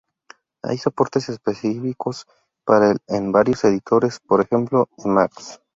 Hay soportes específicos para el en varios editores, por ejemplo Emacs.